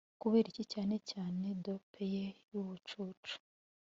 kuberiki, cyane cyane dope ye yubucucu